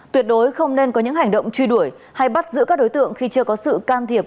tuyệt đối không nên có những hành động truy đuổi hay bắt giữ các đối tượng khi chưa có sự can thiệp